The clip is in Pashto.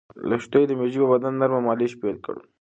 لښتې د مېږې په بدن نرمه مالش پیل کړ.